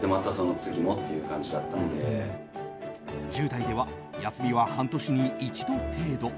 １０代では休みは半年に一度程度。